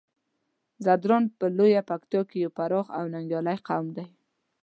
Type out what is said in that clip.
ځدراڼ په لويه پکتيا کې يو پراخ او ننګيالی قوم دی.